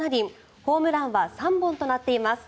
ホームランは３本となっています。